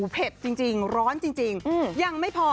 เผ็ดจริงร้อนจริงยังไม่พอ